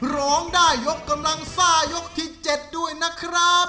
ร้องได้ยกกำลังซ่ายกที่๗ด้วยนะครับ